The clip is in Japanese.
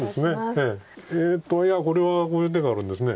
いやこれはこういう手があるんですね。